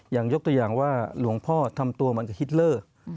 ยกตัวอย่างว่าหลวงพ่อทำตัวมันจะฮิตเลอร์